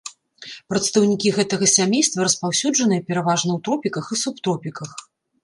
Прадстаўнікі гэтага сямейства распаўсюджаныя пераважна ў тропіках і субтропіках.